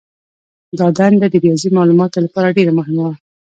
دا دنده د ریاضي مالوماتو لپاره ډېره مهمه وه.